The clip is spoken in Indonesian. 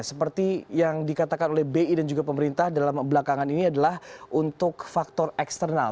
seperti yang dikatakan oleh bi dan juga pemerintah dalam belakangan ini adalah untuk faktor eksternal